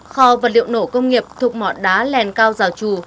khò vật liệu nổ công nghiệp thuộc mọt đá lèn cao giào trù